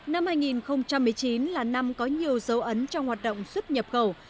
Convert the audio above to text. năm hai nghìn một mươi chín là năm có nhiều dấu ấn trong hoạt động xuất nhập khẩu